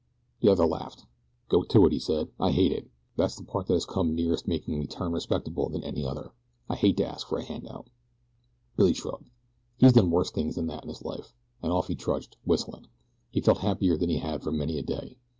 The other laughed. "Go to it," he said. "I hate it. That's the part that has come nearest making me turn respectable than any other. I hate to ask for a hand out." Billy shrugged. He'd done worse things than that in his life, and off he trudged, whistling. He felt happier than he had for many a day.